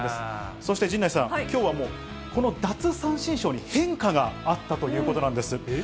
そして陣内さん、きょうはもう、この奪三振ショーに変化があったということなんです。